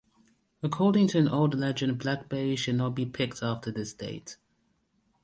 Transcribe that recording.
According to an old legend, blackberries should not be picked after this date.